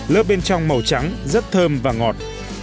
lớp bên trong màu trắng rất thơm và ngọt